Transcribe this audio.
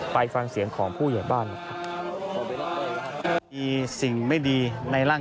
ปลายฟังเสียงของผู้ใหญ่บ้าน